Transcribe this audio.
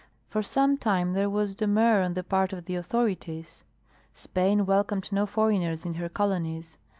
For some time there was demur on the part of the authorities; Spain welcomed no foreigners in her colonies.